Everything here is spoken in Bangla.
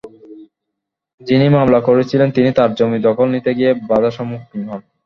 যিনি মামলা করেছিলেন তিনি তাঁর জমি দখল নিতে গিয়ে বাধার সম্মুখীন হন।